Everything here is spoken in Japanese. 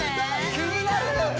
気になる！